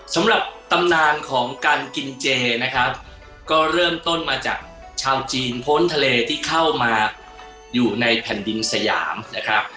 สำหรับตำนานของการกินเจนะครับก็เริ่มต้นมาจากชาวจีนพ้นทะเลที่เข้ามาอยู่ในแผ่นดินสยามนะครับ